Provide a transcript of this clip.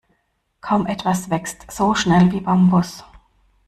Kaum etwas wächst so schnell wie Bambus.